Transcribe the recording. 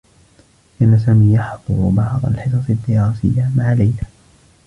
كان سامي يحضر بعض الحصص الدّراسيّة مع ليلى.